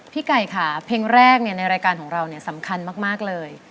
ไก่ค่ะเพลงแรกในรายการของเราสำคัญมากเลย